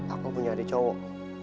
aku punya adik cowok